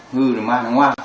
hư rồi mai nó ngoan